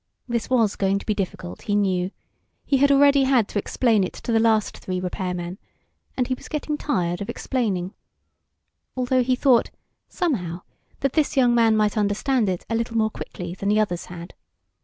This was going to be difficult, he knew. He had already had to explain it to the last three repairmen, and he was getting tired of explaining. Although he thought, somehow, that this young man might understand it a little more quickly than the others had.